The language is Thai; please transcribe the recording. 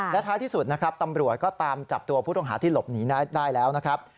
และท้ายที่สุดนะครับตำรวจก็ตามจับตัวผู้ต้องหาที่หลบหนีได้แล้วนะครับ